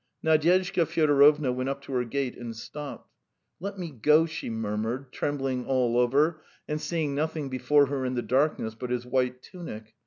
Nadyezhda Fyodorovna went up to her gate and stopped. "Let me go," she murmured, trembling all over and seeing nothing before her in the darkness but his white tunic.